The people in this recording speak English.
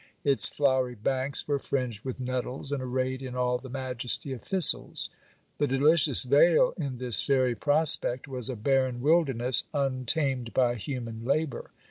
Its flowery banks were fringed with nettles, and arrayed in all the majesty of thistles ; the delicious vale in this fairy prospect was a barren wilderness, un tamed by human labour.